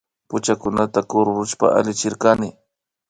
Puchakunata kururushpa allichirkani